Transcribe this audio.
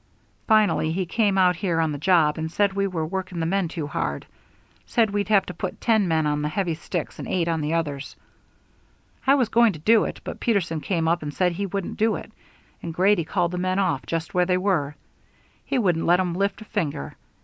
Finally he came out here on the job and said we were working the men too hard said we'd have to put ten men on the heavy sticks and eight on the others. I was going to do it, but Peterson came up and said he wouldn't do it, and Grady called the men off, just where they were. He wouldn't let 'em lift a finger.